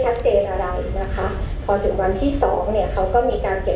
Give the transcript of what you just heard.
เก็บตัวอย่างจากโครงสมุทรแล้วก็ปกเชื้อ